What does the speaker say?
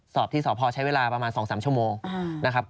สอบที่สพใช้เวลาประมาณ๒๓ชั่วโมงนะครับ